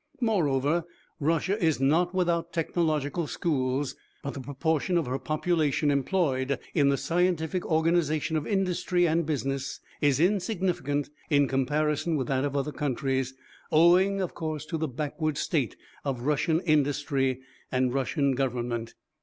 Moreover Russia is not without technological schools, but the proportion of her population employed in the scientific organisation of industry and business is insignificant in comparison with that of other countries owing, of course, to the backward state of Russian industry and Russian government.